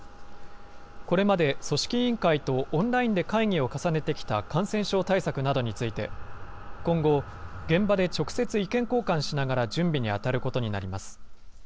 これまで組織委員会とオンラインで会議を重ねてきた感染症対策などについて、今後、現場で直接意見交換しながら準備に当たることになります。